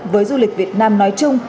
với du lịch việt nam nói chung